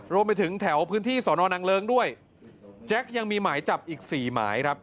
รวมไปถึงแถวพื้นที่สอนอนังเลิ้งด้วยแจ็คยังมีหมายจับอีกสี่หมายครับ